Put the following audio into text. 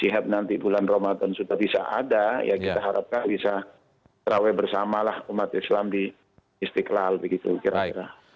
jika nanti bulan ramadan sudah bisa ada ya kita harapkan bisa terawih bersamalah umat islam di istiqlal begitu kira kira